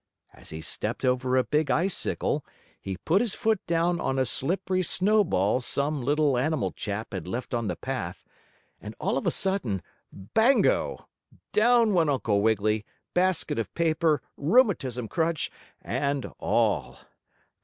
As he stepped over a big icicle he put his foot down on a slippery snowball some little animal chap had left on the path, and, all of a sudden, bango! down went Uncle Wiggily, basket of paper, rheumatism crutch and all.